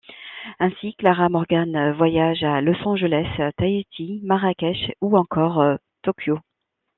Ainsi, Clara Morgane voyage à Los Angeles, Tahiti, Marrakech ou encore Tokyo...